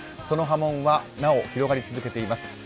その波紋はなお広がり続けています。